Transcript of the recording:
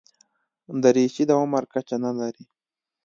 دریشي د عمر کچه نه لري.